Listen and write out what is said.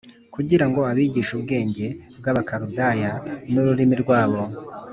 kugira ngo abigishe ubwenge bw’Abakaludaya n’ururimi rwabo